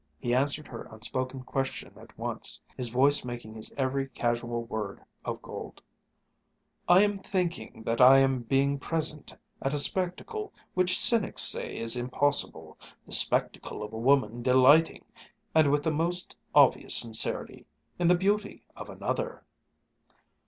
He answered her unspoken question at once, his voice making his every casual word of gold: "I am thinking that I am being present at a spectacle which cynics say is impossible, the spectacle of a woman delighting and with the most obvious sincerity in the beauty of another."